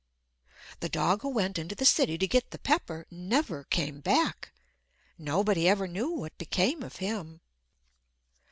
The dog who went into the city to get the pepper never came back. Nobody ever knew what became of him.